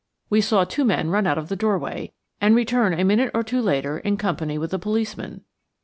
We saw two men run out of the doorway, and return a minute or two later in company with a policeman.